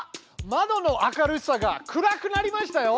まどの明るさが暗くなりましたよ。